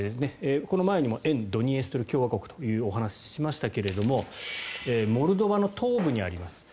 この前にも沿ドニエストル共和国というお話をしましたがモルドバの東部にあります。